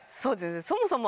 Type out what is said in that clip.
そもそも。